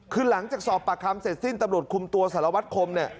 คือหลังจากสอบปากคำเสร็จสิ้นตำรวจคุมตัวสารวัตรคมเนี่ย